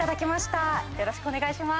よろしくお願いします。